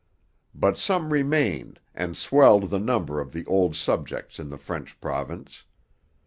But some remained, and swelled the number of the 'old subjects' in the French province.